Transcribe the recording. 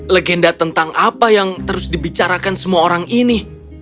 legenda tentang apa yang terus dibicarakan semua orang ini